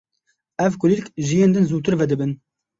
Ev kulîlk ji yên din zûtir vedibin.